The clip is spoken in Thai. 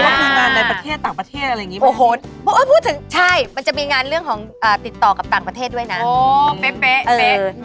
ก็คืองานในประเทศต่างประเทศอะไรอย่างนี้โอ้โหพูดถึงใช่มันจะมีงานเรื่องของติดต่อกับต่างประเทศด้วยนะ